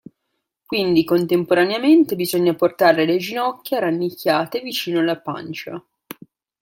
Quindi contemporaneamente bisogna portare le ginocchia rannicchiate, vicino alla pancia.